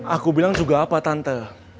aku bilang juga apa tante